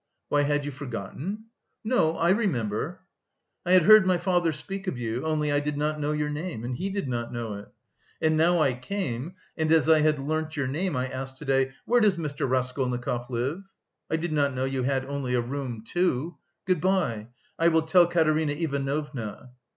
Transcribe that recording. "Why, had you forgotten?" "No, I remember." "I had heard my father speak of you... only I did not know your name, and he did not know it. And now I came... and as I had learnt your name, I asked to day, 'Where does Mr. Raskolnikov live?' I did not know you had only a room too.... Good bye, I will tell Katerina Ivanovna."